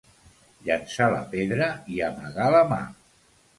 Llençar la pedra i amagar la mà